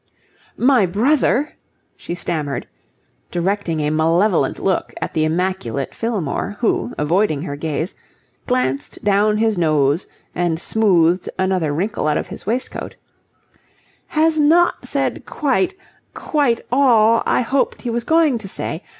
"My brother," she stammered, directing a malevolent look at the immaculate Fillmore, who, avoiding her gaze, glanced down his nose and smoothed another wrinkle out of his waistcoat, "has not said quite quite all I hoped he was going to say.